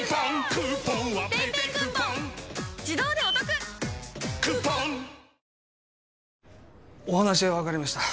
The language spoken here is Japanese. しっお話は分かりました